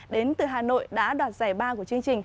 đến từ hà nội đã đoạt giải ba của chương trình